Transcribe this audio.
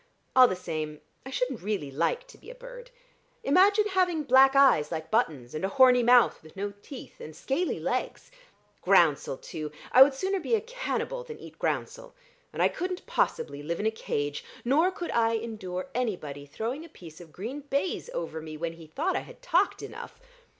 All the same, I shouldn't really like to be a bird. Imagine having black eyes like buttons, and a horny mouth with no teeth, and scaly legs. Groundsel, too! I would sooner be a cannibal than eat groundsel. And I couldn't possibly live in a cage; nor could I endure anybody throwing a piece of green baize over me when he thought I had talked enough.